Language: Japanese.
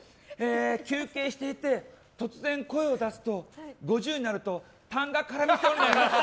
休憩していて突然声を出すと、５０になるとたんが絡みそうになります。